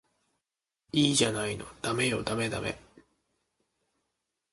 いいじゃないのダメよダメダメ